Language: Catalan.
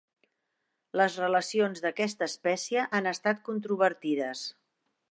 Les relacions d'aquesta espècie han estat controvertides.